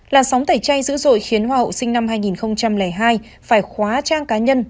làn sóng tẩy chay dữ dội khiến hoa hậu sinh năm hai nghìn hai phải khóa trang cá nhân